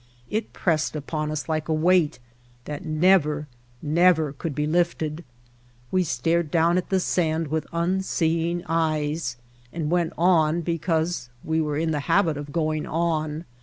It pressed upon us like a weight that never, never could be lifted. We stared down at the sand with unseeing eyes and went on because we were in the habit of going on.